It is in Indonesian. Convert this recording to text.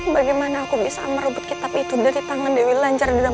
bagaimana aku bisa merebut kitab itu dari tangan dewi lanjar dan bu awang